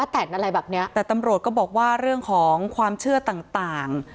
แต่นอะไรแบบเนี้ยแต่ตำรวจก็บอกว่าเรื่องของความเชื่อต่าง